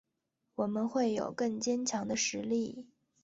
我们会有更坚强的实力